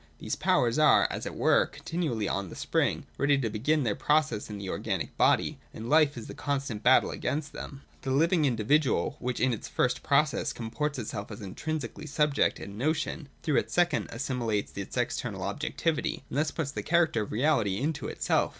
These powers are, as it were, continually on the spring, ready to begin their process in the organic body ; and hfe is the constant battle against them. 220.J (3) The living individual, which in its first process comports itself as intrinsically subject and notion, through its second assimilates its external objec tivity and thus puts the character of reality into itself.